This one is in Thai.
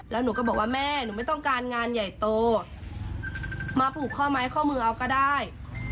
แล้วหนูก็บอกว่าแม่หนูไม่ต้องการงานใหญ่โตมาผูกข้อไม้ข้อมือเอาก็ได้